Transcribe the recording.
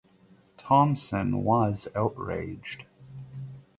Thomson was outraged.